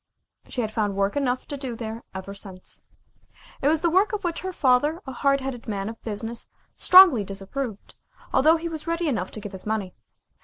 She had found work enough to do there ever since. It was work of which her father, a hard headed man of business, strongly disapproved, although he was ready enough to give his money.